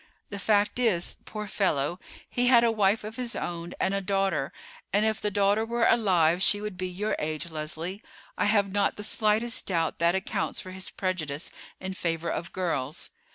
The fact is, poor fellow, he had a wife of his own, and a daughter, and if the daughter were alive she would be your age, Leslie. I have not the slightest doubt that accounts for his prejudice in favor of girls.